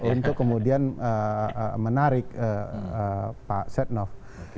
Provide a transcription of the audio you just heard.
untuk kemudian menarik pak setnov